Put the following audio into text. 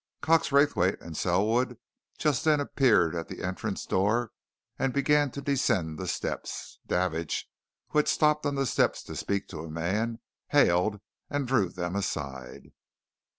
Cox Raythwaite and Selwood just then appeared at the entrance door and began to descend the steps. Davidge, who had stopped on the steps to speak to a man, hailed and drew them aside.